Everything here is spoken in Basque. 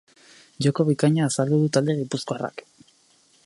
Joko bikaina azaldu du talde gipuzkoarrak.